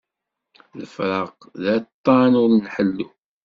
Lefraq d aṭan ur nḥellu